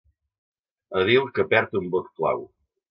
Edil que perd un vot clau.